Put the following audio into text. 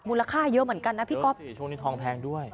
ค่าเยอะเหมือนกันนะพี่ก๊อฟสิช่วงนี้ทองแพงด้วย